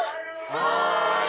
はい。